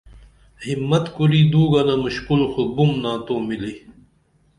ہمت کُری دو گنہ مُشکُل خو بُمنا تو ملی